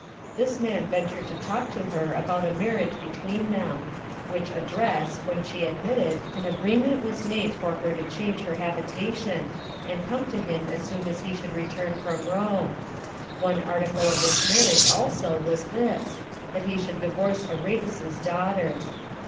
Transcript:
This man ventured to talk to her about a marriage between them; which address, when she admitted, an agreement was made for her to change her habitation, and come to him as soon as he should return from Rome: one article of this marriage also was this, that he should divorce Aretas's daughter.